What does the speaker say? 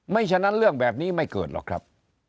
ฉะนั้นเรื่องแบบนี้ไม่เกิดหรอกครับ